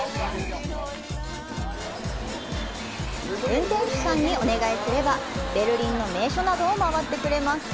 運転手さんにお願いすればベルリンの名所などを回ってくれます。